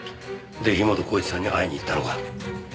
で樋本晃一さんに会いに行ったのか？